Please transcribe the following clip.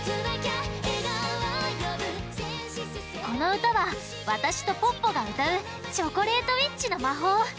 このうたはわたしとポッポがうたう「チョコレートウィッチの魔法」！